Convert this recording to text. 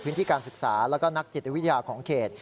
พื้นที่การศึกษาแล้วก็นักจิตวิทยาของเขต